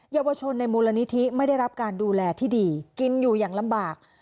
เยาวชนในมูลนิธิไม่ได้รับการดูแลที่ดีกินอยู่อย่างลำบาก